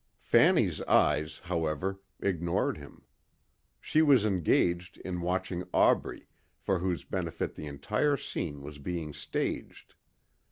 Fanny's eyes, however, ignored him. She was engaged in watching Aubrey for whose benefit the entire scene was being staged.